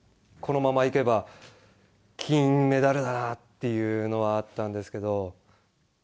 このままいけば、金メダルだなっていうのはあったんですけど。